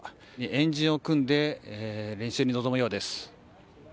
円陣を組んで練習に臨むようです。